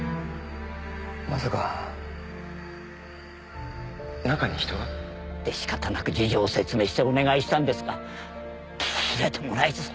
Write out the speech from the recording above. まさか中に人が？で仕方なく事情を説明してお願いしたんですが聞き入れてもらえず。